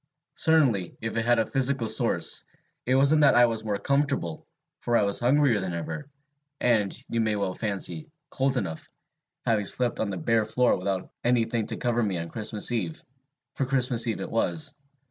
Certainly, if it had a physical source, it wasn't that I was more comfortable, for I was hungrier than ever, and, you may well fancy, cold enough, having slept on the bare floor without any thing to cover me on Christmas Eve for Christmas Eve it was.